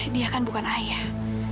dia kan bukan ayah